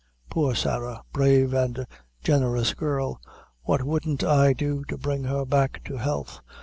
Poor Sarah! brave and generous girl what wouldn't I do to bring her back to health!